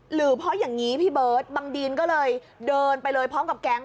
หรือเพราะอย่างนี้พี่เบิร์ตบังดีนก็เลยเดินไปเลยพร้อมกับแก๊ง